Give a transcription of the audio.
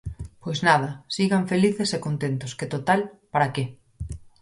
¡Pois nada, sigan felices e contentos, que, total, ¿para que?!